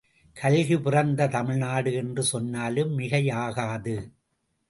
கல்கி பிறந்த தமிழ்நாடு என்று சொன்னாலும் மிகையாகாது.